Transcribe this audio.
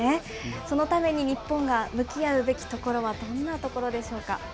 そのために日本が向き合うべきところは、どんなところでしょうか。